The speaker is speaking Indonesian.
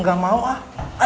gak mau ah